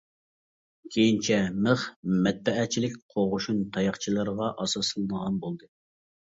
كېيىنچە مىخ مەتبەئەچىلىك قوغۇشۇن تاياقچىلىرىغا ئاساسلىنىدىغان بولدى.